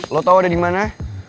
lo tau ada dimana